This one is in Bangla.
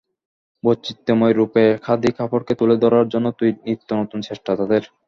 বৈচিত্র্যময় রূপে খাদি কাপড়কে তুলে ধরার জন্য তাই নিত্যনতুন চেষ্টা তাঁদের।